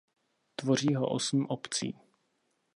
Tvoří ho osm obcí.